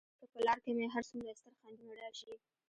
که په لار کې مې هر څومره ستر خنډونه راشي.